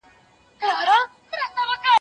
کېدای سي جواب ستونزي ولري